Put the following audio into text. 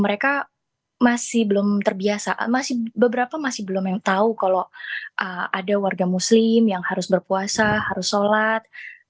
mereka masih belum terbiasa masih beberapa masih belum yang tahu kalau ada warga muslim yang harus berpuasa harus sholat